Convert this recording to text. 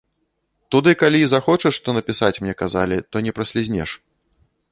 Туды калі і захочаш што напісаць, мне казалі, то не праслізнеш.